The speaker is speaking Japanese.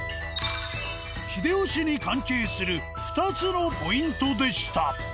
秀吉に関係する２つのポイントでした。